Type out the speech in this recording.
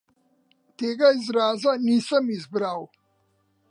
Tega izraza nisem izbral.